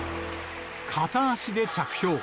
片足で着氷。